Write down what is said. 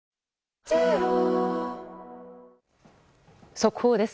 速報です。